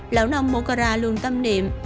lão nông mocara luôn tâm niệm